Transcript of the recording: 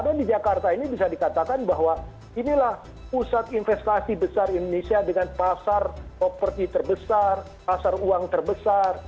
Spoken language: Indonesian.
karena di jakarta ini bisa dikatakan bahwa inilah pusat investasi besar indonesia dengan pasar properti terbesar pasar uang terbesar